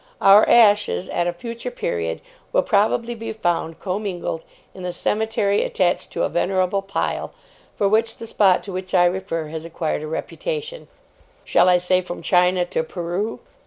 Our ashes, at a future period, will probably be found commingled in the cemetery attached to a venerable pile, for which the spot to which I refer has acquired a reputation, shall I say from China to Peru?